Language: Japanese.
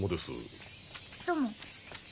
どうも。